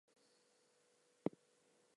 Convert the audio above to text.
To the right of the altar stood the great chief.